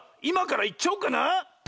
いまからいっちゃおうかな！